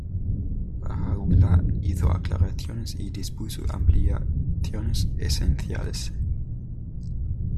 Bahá’u’lláh hizo aclaraciones y dispuso ampliaciones esenciales.